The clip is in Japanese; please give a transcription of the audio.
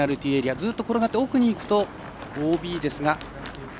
ずっと転がって奥にいくとＯＢですが。